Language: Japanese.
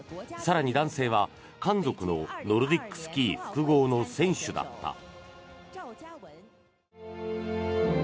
更に男性は漢族のノルディックスキー複合の選手だった。